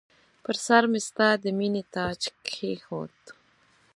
پر سرمې ستا د مییني تاج کښېښود